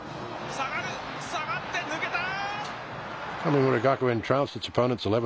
下がる、下がって、抜けた！